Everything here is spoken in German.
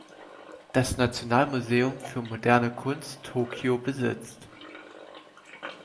Das Nationalmuseum für moderne Kunst Tokio besitzt